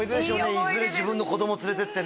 いずれ自分の子供連れてってね